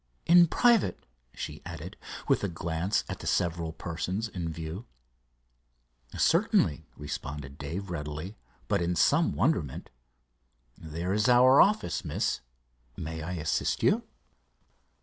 "In private," she added, with a glance at the several persons in view. "Certainly," responded Dave readily, but in some wonderment. "There is our office, miss. May I assist you?"